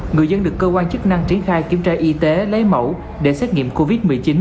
người dân được cơ quan chức năng triển khai kiểm tra y tế lấy mẫu để xét nghiệm covid một mươi chín